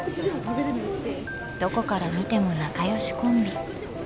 どこから見ても仲良しコンビ。